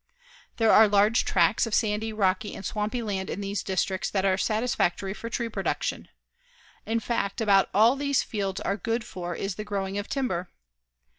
There are large tracts of sandy, rocky and swampy land in these districts that are satisfactory for tree production. In fact, about all these fields are good for is the growing of timber.